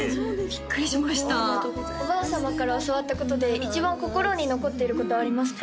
ビックリしましたおばあ様から教わったことで一番心に残ってることありますか？